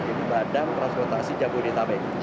jadi badan transportasi jabodetabek